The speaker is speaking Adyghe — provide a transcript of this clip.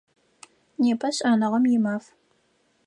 Непэ Шӏэныгъэм и Маф.